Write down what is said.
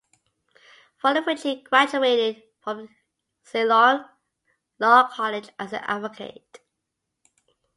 Following which he graduated from the Ceylon Law College as an advocate.